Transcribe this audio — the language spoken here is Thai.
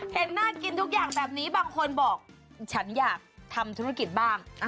เห็นน่ากินทุกอย่างแบบนี้บางคนบอกฉันอยากทำธุรกิจบ้าง